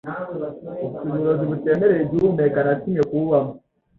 ufite uburozi butemerera igihumeka na kimwe kuwubamo